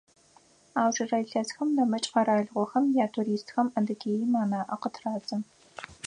Аужрэ илъэсхэм нэмыкӏ къэралыгъохэм ятуристхэм Адыгеим анаӏэ къытырадзэ.